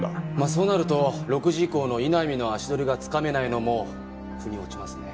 そうなると６時以降の井波の足取りがつかめないのも腑に落ちますね。